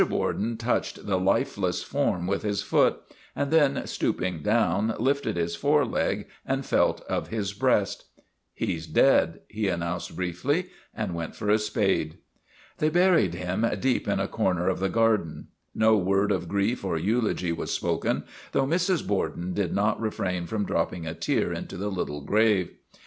Borden touched the lifeless form with his foot, and then, stooping down, lifted his foreleg and felt of his breast. ' He 's dead," he announced briefly, and went for a spade. They buried him deep in a corner of the garden. No word of grief or eulogy was spoken, though Mrs. Borden did not refrain from dropping a tear into the little grave.